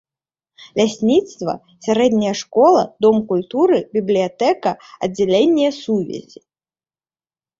Лясніцтва, сярэдняя школа, дом культуры, бібліятэка, аддзяленне сувязі.